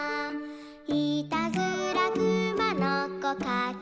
「いたずらくまのこかけてきて」